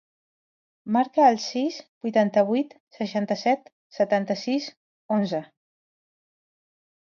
Marca el sis, vuitanta-vuit, seixanta-set, setanta-sis, onze.